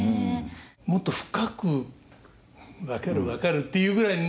もっと深く「分かる分かる」っていうぐらいに。